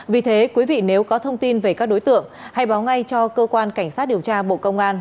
vì thế quý vị nếu có thông tin về các đối tượng hãy báo ngay cho cơ quan cảnh sát điều tra bộ công an